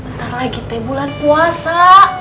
bentar lagi teh bulan puasa